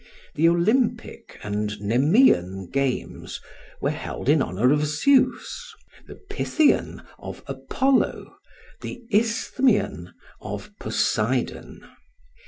The Olympic and Nemean Games were held in honour of Zeus, the Pythian, of Apollo, the Isthmean, of Poseidon.